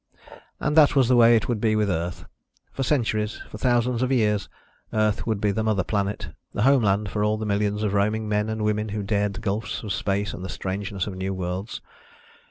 And that was the way it would be with Earth. For centuries, for thousands of years, Earth would be the Mother Planet, the homeland for all the millions of roaming men and women who dared the gulfs of space and the strangeness of new worlds.